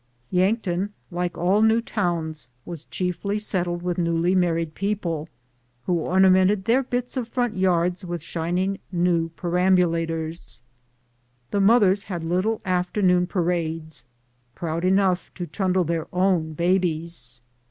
Yankton, like all new towns, was chiefly settled with newly married people, who ornamented their bits of front yards with shining new perambulators. The mothers had little afternoon parades, proud enough to trundle their own babies.